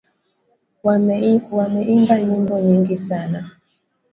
Wameimba nyimbo nyingi sana